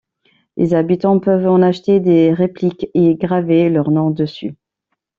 Les habitants peuvent en acheter des répliques et y graver leur nom dessus.